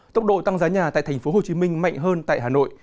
tốc độ tăng giá nhà tại tp hcm mạnh hơn tại hà nội